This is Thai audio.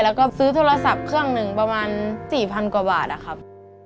แล้วก็ซื้อโทรศัพท์เครื่องหนึ่งประมาณ๔๐๐กว่าบาทนะครับ